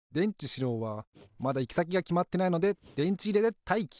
しろうはまだいきさきがきまってないのででんちいれでたいき！